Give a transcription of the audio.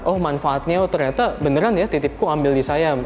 oh manfaatnya ternyata beneran ya titipku ambil di saya